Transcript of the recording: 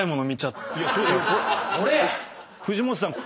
藤本さん。